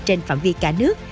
trên phạm vi cả nước